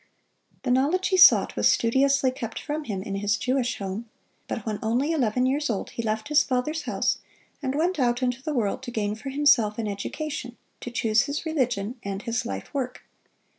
The knowledge he sought was studiously kept from him in his Jewish home; but when only eleven years old, he left his father's house, and went out into the world to gain for himself an education, to choose his religion and his life work.